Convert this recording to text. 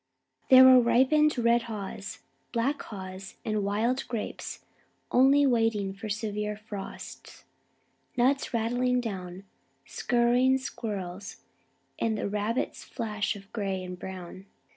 There were ripened red haws, black haws, and wild grapes only waiting for severe frosts, nuts rattling down, scurrying squirrels, and the rabbits' flash of gray and brown.